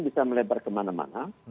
bisa melebar kemana mana